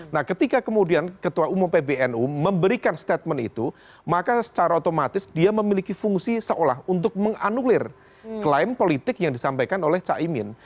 nah ketika kemudian ketua umum pbnu memberikan statement itu maka secara otomatis dia memiliki fungsi seolah untuk menganulir klaim politik yang disampaikan oleh caimin